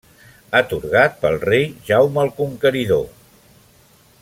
Atorgat pel Rei Jaume el Conqueridor.